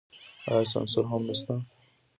آیا سانسور هم نشته؟